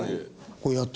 これこうやって？